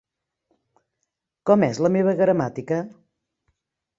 Com és la meva gramàtica?